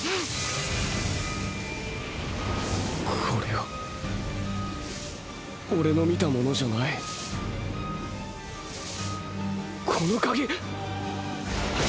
これはオレの見たものじゃないこの鍵！！